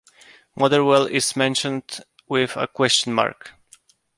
Motherwell is mentioned with a question mark.